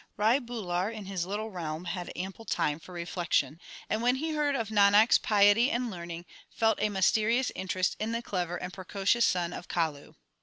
Rai Bular in his little realm had ample time for reflection, and when he heard of Nanak s piety and learning, felt a mysterious interest in the clever and precocious son of Kalu.